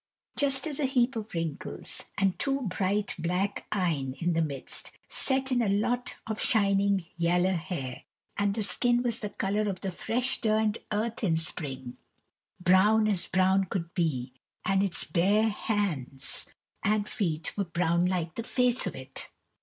Just a heap of wrinkles, and two bright black eyne in the midst, set in a lot of shining yaller hair; and the skin was the colour of the fresh turned earth in the spring brown as brown could be, and its bare hands and feet were brown like the face of it.